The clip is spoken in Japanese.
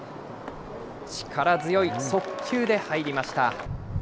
力強い速球で入りました。